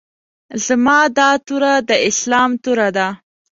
زما دا توره د اسلام توره ده.